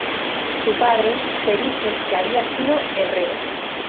Su padre se dice que había sido herrero.